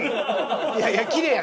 いやいやキレイやん！